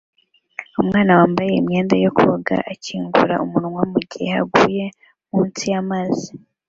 Umwana wambaye imyenda yo koga akingura umunwa mugihe aguye munsi yamazi